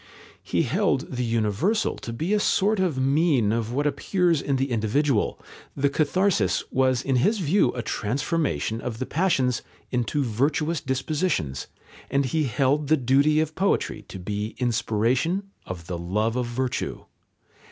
He held the universal to be a sort of mean of what appears in the individual, the catharsis was in his view a transformation of the passions into virtuous dispositions, and he held the duty of poetry to be inspiration of the love of virtue.